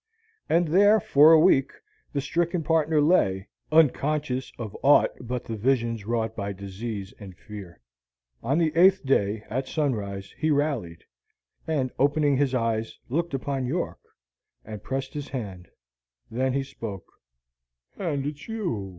And there, for a week, the stricken partner lay, unconscious of aught but the visions wrought by disease and fear. On the eighth day, at sunrise, he rallied, and, opening his eyes, looked upon York, and pressed his hand; then he spoke: "And it's you.